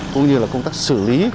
cũng như công tác xử lý